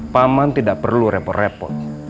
paman tidak perlu repot repot